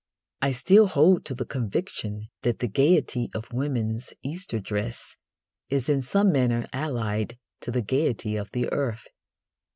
I still hold to the conviction that the gaiety of women's Easter dress is in some manner allied to the gaiety of the earth.